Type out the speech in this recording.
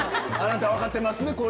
あなた、分かってますね。